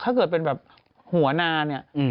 ถ้าเกิดเป็นแบบหัวนาเนี่ย